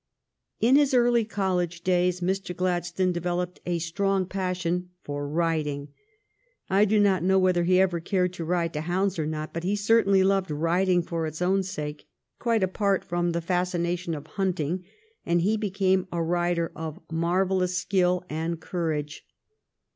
In his early college days Mr. Gladstone devel oped a strong passion for riding. I do not know whether he ever cared to ride to hounds or not ; but he certainly loved riding for its own sake, quite apart from the fascination of hunting ; and he became a rider of marvellous skill and courage.